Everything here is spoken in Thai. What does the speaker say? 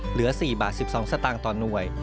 เหลือ๔บาท๑๒สตางค์ต่อหน่วย